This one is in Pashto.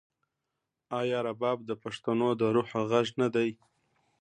آیا رباب د پښتنو د روح غږ نه دی؟